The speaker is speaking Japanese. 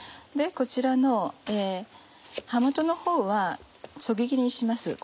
こちらの葉元のほうはそぎ切りにします